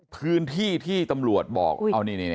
พื้นที่ที่ตำรวจบอกเอานี่